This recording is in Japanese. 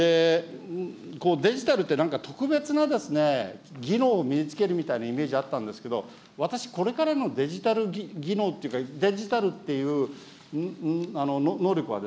デジタルって、なんか特別な技能を身につけるみたいなイメージあったんですけど、私、これからのデジタル技能というか、デジタルっていう能力は、